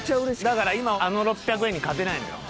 だから今あの６００円に勝てないのよ。